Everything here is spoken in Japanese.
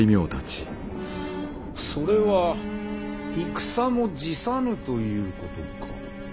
それは戦も辞さぬということか。